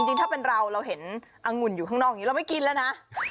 จริงถ้าเป็นเราเราเห็นอังุ่นอยู่ข้างนอกอย่างนี้เราไม่กินแล้วนะ